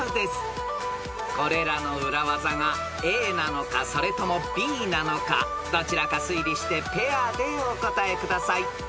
［これらの裏技がＡなのかそれともＢなのかどちらか推理してペアでお答えください］